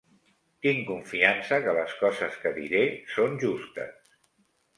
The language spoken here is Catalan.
Tinc confiança que les coses que diré són justes